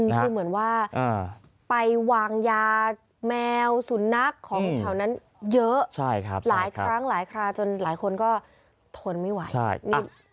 คือเหมือนว่าไปวางยาแมวสุนัขของแถวนั้นเยอะหลายครั้งหลายคราจนหลายคนก็ทนไม่ไหว